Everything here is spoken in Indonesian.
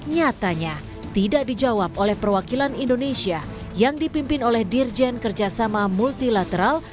nyatanya tidak dijawab oleh perwakilan indonesia yang dipimpin oleh dirjen kerjasama multilateral